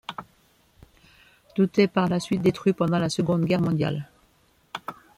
Tout est par la suite détruit pendant la Seconde Guerre mondiale.